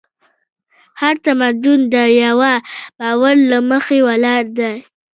هر تمدن د یوه باور له مخې ولاړ دی.